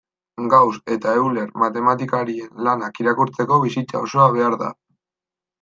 Gauss eta Euler matematikarien lanak irakurtzeko bizitza osoa behar da.